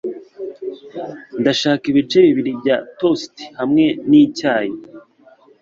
Ndashaka ibice bibiri bya toast hamwe nicyayi.